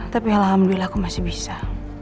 tapi alhamdulillah aku masih bisa